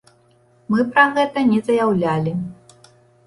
Мы пра гэта не заяўлялі.